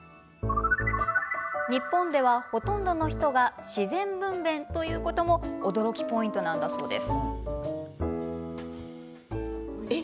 日本では、ほとんどの人が自然分べんということも驚きポイントなんだそうです。